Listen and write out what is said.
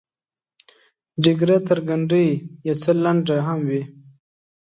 ډیګره تر ګنډۍ یو څه لنډه هم وي.